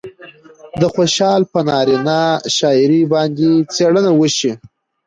د خوشال پر نارينه شاعرۍ باندې څېړنه وشي